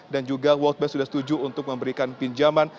dan juga world bank sudah setuju untuk memberikan pinjaman